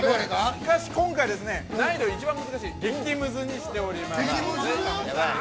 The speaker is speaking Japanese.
◆しかし今回は、難易度、一番難しい激ムズにしております。